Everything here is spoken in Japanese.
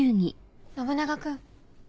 信長君。